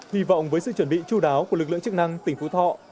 hy vọng với sự chuẩn bị chú đáo của lực lượng chức năng tỉnh phú thọ